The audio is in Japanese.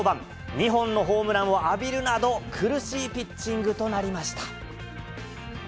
２本のホームランを浴びるなど、苦しいピッチングとなりました。